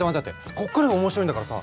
こっからが面白いんだからさ。